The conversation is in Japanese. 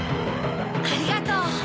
ありがとう。